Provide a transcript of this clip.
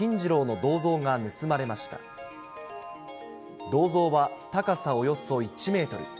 銅像は高さおよそ１メートル。